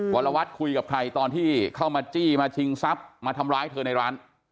วรวัตรคุยกับใครตอนที่เข้ามาจี้มาชิงทรัพย์มาทำร้ายเธอในร้าน